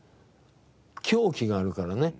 狂気があるからね。